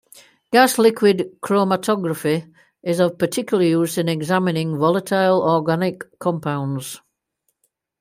Gas-liquid chromatography is of particular use in examining volatile organic compounds.